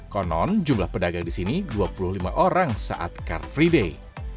konon jumlah pedagang di sini dua puluh lima orang saat car free day